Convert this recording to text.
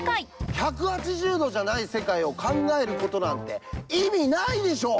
１８０度じゃない世界を考えることなんて、意味ないでしょ。